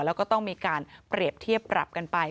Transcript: แล้วก็ต้องมีการเปรียบเทียบปรับกันไป